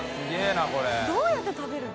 どうやって食べるの？